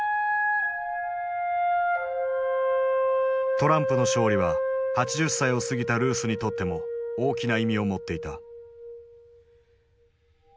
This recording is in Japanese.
トランプの勝利は８０歳を過ぎたルースにとっても大きな意味を持っていた。